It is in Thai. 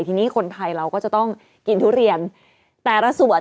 ทีนี้คนไทยเราก็จะต้องกินทุเรียนแต่ละส่วน